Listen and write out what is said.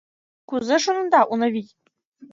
Кузе шонеда, Унавий?